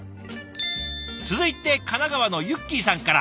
続いて神奈川のゆっきーさんから。